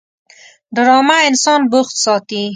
ډرامه انسان بوخت ساتي